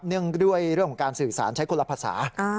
ด้วยเรื่องของการสื่อสารใช้คนละภาษา